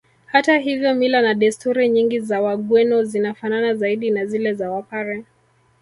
Hata hivyo mila na desturi nyingi za Wagweno zinafanana zaidi na zile za Wapare